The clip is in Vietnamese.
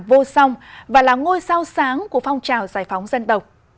vô song và là ngôi sao sáng của phong trào giải phóng dân tộc